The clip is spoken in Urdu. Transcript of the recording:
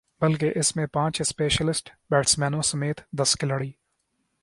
بلکہ اس میں پانچ اسپیشلسٹ بیٹسمینوں سمیت دس کھلاڑی